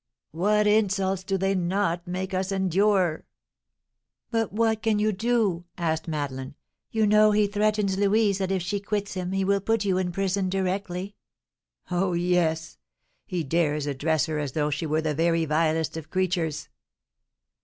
What insults do they not make us endure!" "But what can you do?" asked Madeleine. "You know he threatens Louise that if she quits him he will put you in prison directly." "Oh, yes! He dares address her as though she were the very vilest of creatures."